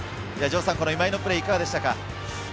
今井のプレーいかがでしたか？